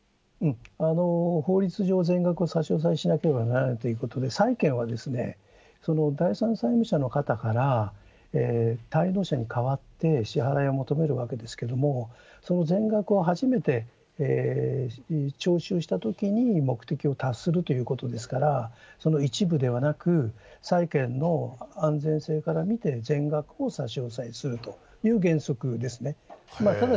法律上、全額を差し押さえしなければならないということで、債権は第三債務者の方から滞納者に代わって支払いを求めるわけですけれども、その全額を初めて徴収したときに目的を達するということですから、その一部ではなく、債権の安全性から見て、全額を差し押さえするという原則ですね。